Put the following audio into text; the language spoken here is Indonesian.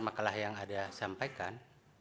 makalah yang anda sampaikan